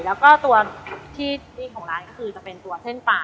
แล้วก็ตัวที่ของร้านก็คือจะเป็นตัวเส้นป่า